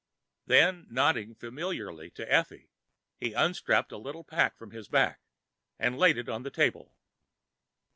Then, nodding familiarly to Effie, he unstrapped a little pack from his back and laid it on the table.